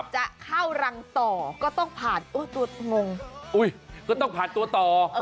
จะเข้ารังต่อก็ต้องผ่านตัวต่อ